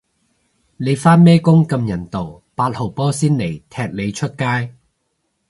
你返咩工咁人道，八號波先嚟踢你出街